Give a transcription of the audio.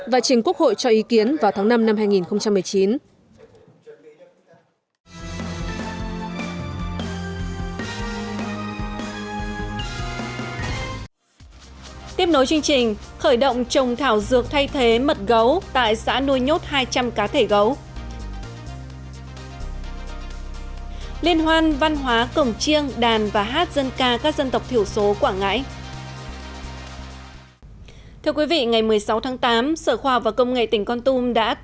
và trình quốc hội cho ý kiến vào tháng năm năm hai nghìn một mươi chín